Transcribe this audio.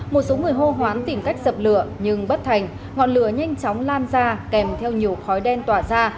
một số người hô hoán tìm cách dập lửa nhưng bất thành ngọn lửa nhanh chóng lan ra kèm theo nhiều khói đen tỏa ra